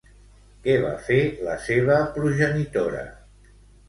Què va fer la seva progenitora?